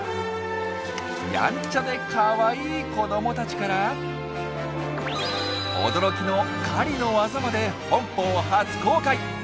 やんちゃでかわいい子どもたちから驚きの狩りの技まで本邦初公開！